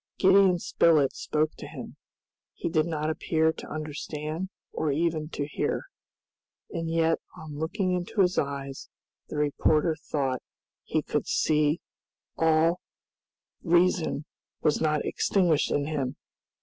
Gideon Spilett spoke to him. He did not appear to understand or even to hear. And yet on looking into his eyes, the reporter thought he could see that all reason was not extinguished in him.